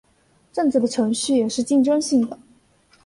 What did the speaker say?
政治的程序也是竞争性的。